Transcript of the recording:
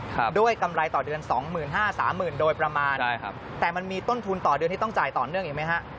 ครับด้วยกำไรต่อเดือน๒๕๐๐๐๓๐๐๐๐โดยประมาณแต่มันมีต้นทุนต่อเดือนที่ต้องจ่ายต่อเนื่องอย่างไรไหมฮะ